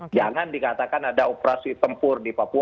jangan dikatakan ada operasi tempur di papua